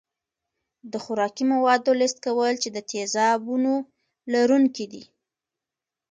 د خوراکي موادو لست کول چې د تیزابونو لرونکي دي.